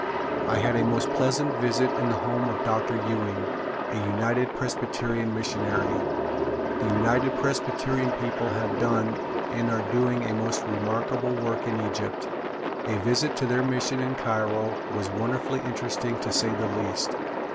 I had a most pleasant visit in the home of Dr. Ewing, a United Presbyterian missionary. The United Presbyterian people have done and are doing a most remarkable work in Egypt. A visit to their mission in Cairo was wonderfully interesting to say the least.